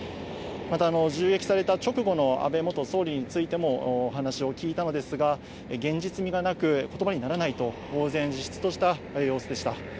また、銃撃された直後の安倍元総理についても話を聞いたのですが、現実味がなく、ことばにならないと、ぼう然自失とした様子でした。